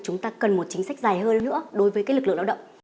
chúng ta cần một chính sách dài hơn nữa đối với lực lượng lao động